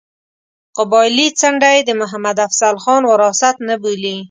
قبایلي څنډه یې د محمد افضل خان وراثت نه بولي.